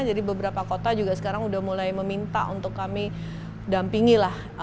jadi beberapa kota juga sekarang sudah mulai meminta untuk kami dampingi lah